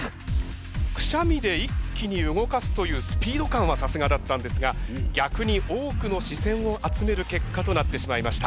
くしゃみで一気に動かすというスピード感はさすがだったんですが逆に多くの視線を集める結果となってしまいました。